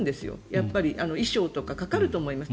やっぱり衣装とかかかると思います。